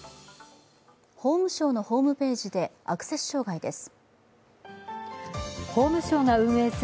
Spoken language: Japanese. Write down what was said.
法務省のホームページでアクセス障害です。